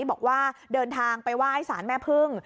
บอกว่าเดินทางไปไหว้สารแม่พึ่ง